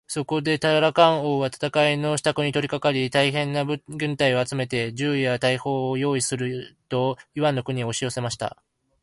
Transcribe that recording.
そこでタラカン王は戦のしたくに取りかかり、大へんな軍隊を集めて、銃や大砲をよういすると、イワンの国へおしよせました。